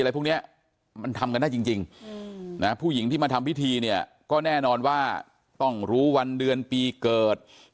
พวกนี้มันทำกันได้จริงนะผู้หญิงที่มาทำพิธีเนี่ยก็แน่นอนว่าต้องรู้วันเดือนปีเกิด